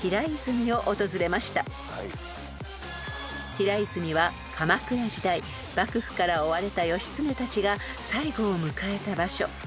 ［平泉は鎌倉時代幕府から追われた義経たちが最期を迎えた場所］